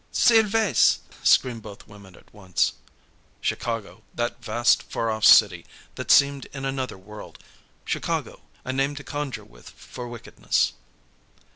"Sylves'!" screamed both women at once. Chicago! That vast, far off city that seemed in another world. Chicago! A name to conjure with for wickedness.